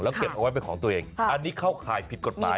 เก็บเอาไว้เป็นของตัวเองอันนี้เข้าข่ายผิดกฎหมาย